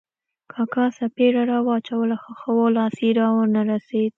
کاکا څپېړه را واچوله خو ښه وو، لاس یې را و نه رسېد.